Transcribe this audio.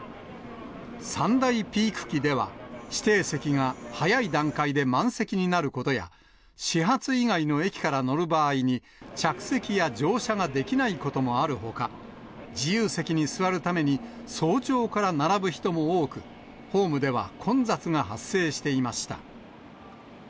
３大ピーク期では、指定席が早い段階で満席になることや、始発以外の駅から乗る場合に、着席や乗車ができないこともあるほか、自由席に座るために、早朝から並ぶ人も多く、ホームでは混雑が発生していました。